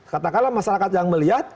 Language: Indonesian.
katakanlah masyarakat yang melihat